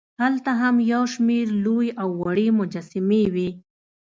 هلته هم یوشمېر لوې او وړې مجسمې وې.